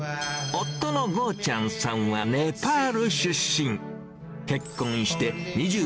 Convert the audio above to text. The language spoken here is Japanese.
夫のゴーチャンさんはネパール出身。